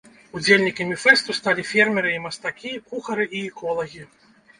Удзельнікамі фэсту сталі фермеры і мастакі, кухары і эколагі.